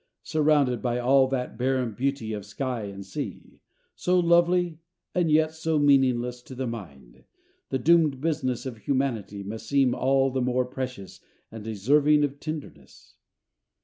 Surrounded by all that barren beauty of sky and sea, so lovely, and yet so meaningless to the mind, the doomed business of humanity must seem all the more precious and deserving of tenderness.